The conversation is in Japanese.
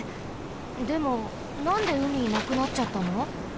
でもなんでうみなくなっちゃったの？